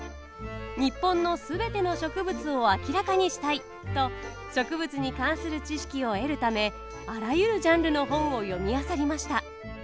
日本の全ての植物を明らかにしたいと植物に関する知識を得るためあらゆるジャンルの本を読みあさりました。